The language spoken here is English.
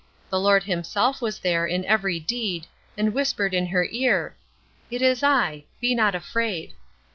The Lord himself was there in every deed, and whispered in her ear, "It is I, be not afraid."